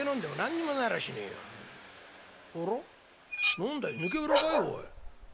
何だい抜け裏かい？